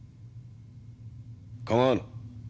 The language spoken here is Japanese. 構わぬ。